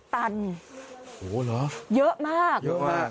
เท่าไรค่ะโอ้โฮหรือเยอะมาก